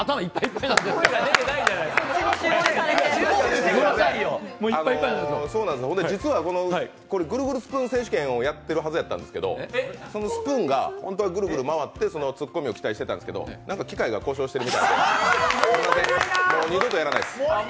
そうなんです、実はこれぐるぐるスプーン選手権をやってるはずやったんですけど、そのスプーンが本当はぐるぐる回ってツッコミ期待してたんですけど、なんか機械が故障してるみたいで二度とやらないです。